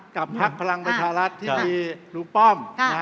กับภักดิ์พลังปัญชารัฐที่มีลูกป้อม